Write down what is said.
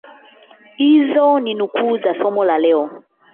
Hizo ni nukuu za somo la leo